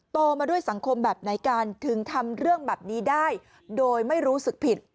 โตมาด้วยสังคมแบบไหนกันถึงทำเรื่องแบบนี้ได้โดยไม่รู้สึกผิด